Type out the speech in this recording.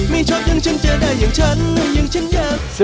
ไม่ชอบยังฉันจะได้อย่างฉันยังฉันอยาก